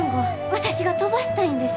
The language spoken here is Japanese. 私が飛ばしたいんです。